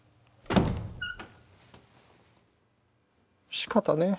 しかたねえ。